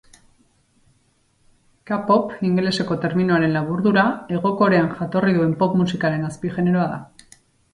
K-pop, ingeleseko terminoaren laburdura, Hego Korean jatorri duen pop musikaren azpi-generoa da.